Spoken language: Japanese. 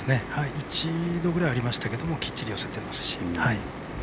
一度ぐらいありましたがきっちり寄せています。